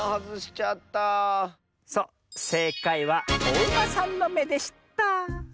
そうせいかいはおウマさんのめでした。